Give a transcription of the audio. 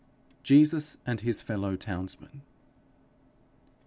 _JESUS AND HIS FELLOW TOWNSMEN.